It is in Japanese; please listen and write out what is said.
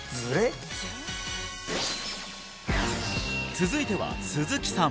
続いては鈴木さん